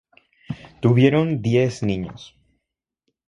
Tuvieron diez niños.